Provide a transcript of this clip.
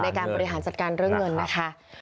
ในการบริหารจัดการเรื่องเงินนะคะ